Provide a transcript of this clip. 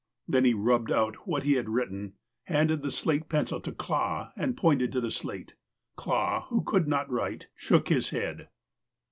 Then he rubbed out what he had written, handed the slate pencil to Clah, and pointed to the slate. Clah, who could not write, shook his head.